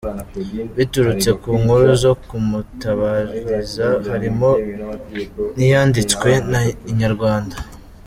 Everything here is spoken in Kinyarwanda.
Biturutse ku nkuru zo kumutabariza harimo niyanditswe na inyarwanda.